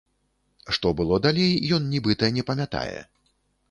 Што было далей, ён, нібыта, не памятае.